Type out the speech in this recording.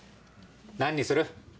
何にする？